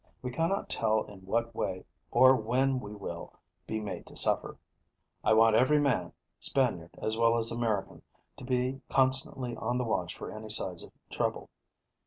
We cannot tell in what way or when we will be made to suffer. I want every man Spaniard as well as American to be constantly on the watch for any signs of trouble.